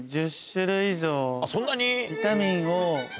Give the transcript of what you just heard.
そんなに？